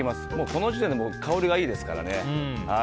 この時点で香りがいいですからね。